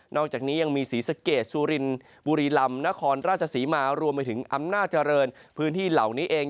อกจากนี้ยังมีศรีสะเกดสุรินบุรีลำนครราชศรีมารวมไปถึงอำนาจเจริญพื้นที่เหล่านี้เอง